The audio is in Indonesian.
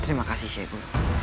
terima kasih segu